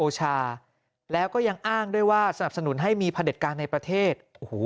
แล้วก็ยังอ้างด้วยว่าสนับสนุนให้มีพระเด็จการในประเทศโอ้โห